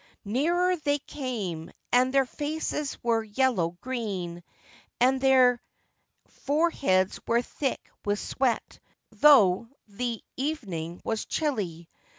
Nearer they came, and their faces were yellow green, and their foreheads were thick with sweat, though the evening was chilly.